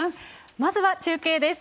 まずは中継です。